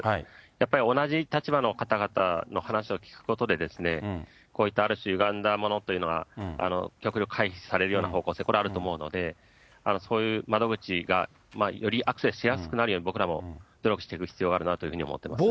やっぱり同じ立場の方々の話を聞くことで、こういったある種、ゆがんだものというのは、極力回避されるような方向性、これはあると思うので、そういう窓口が、よりアクセスしやすくなるように、僕らも努力していく必要があるなというふうに思っています。